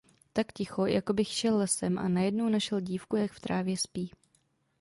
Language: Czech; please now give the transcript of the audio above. Tak ticho, jako bych šel lesem a najednou našel dívku jak v trávě spí.